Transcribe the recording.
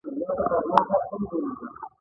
ایا ستاسو میراث به ویشل شي؟